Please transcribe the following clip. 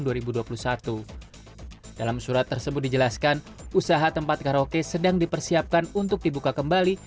dalam surat tersebut dijelaskan usaha tempat karaoke sedang dipersiapkan untuk dibuka kembali